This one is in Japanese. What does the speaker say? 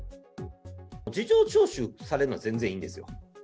事情聴取されるのは全然いいんですよ。